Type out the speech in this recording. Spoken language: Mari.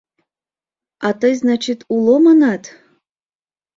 А тый, значит, уло, манат?